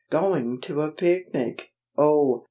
going to a picnic! oh!